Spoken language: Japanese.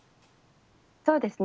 そうですね。